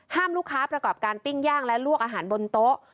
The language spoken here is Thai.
ลูกค้าประกอบการปิ้งย่างและลวกอาหารบนโต๊ะ